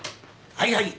はいはい。